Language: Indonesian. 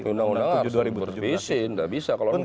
undang undang harus berjuang